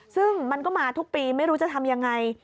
ซึ่งมันก็มาทุกปีไม่รู้จะทำยังไง